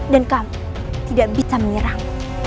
dan kamu tidak bisa menyerang